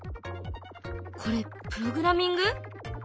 これプログラミング？